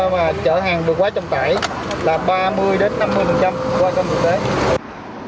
mà chở hàng được quá trọng tải là ba mươi đến năm mươi qua cân thực tế